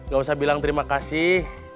gak usah bilang terima kasih